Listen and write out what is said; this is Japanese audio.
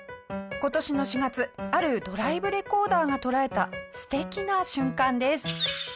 今年の４月あるドライブレコーダーが捉えた素敵な瞬間です。